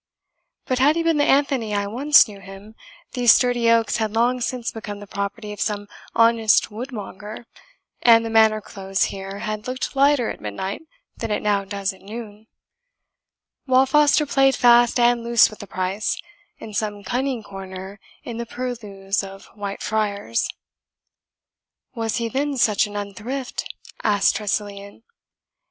But had he been the Anthony I once knew him, these sturdy oaks had long since become the property of some honest woodmonger, and the manor close here had looked lighter at midnight than it now does at noon, while Foster played fast and loose with the price, in some cunning corner in the purlieus of Whitefriars." "Was he then such an unthrift?" asked Tressilian.